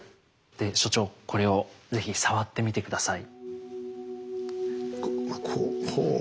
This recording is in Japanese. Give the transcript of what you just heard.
で所長これを是非触ってみて下さい。